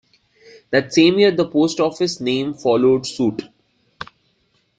That same year, the post office name followed suit.